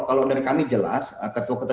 kalau dari kami jelas ketua ketua